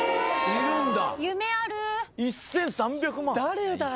！？・誰だよ！？